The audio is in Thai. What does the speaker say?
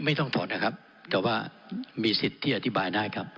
ต้องถอดนะครับแต่ว่ามีสิทธิ์ที่อธิบายได้ครับ